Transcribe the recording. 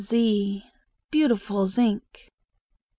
z Beautiful zinc!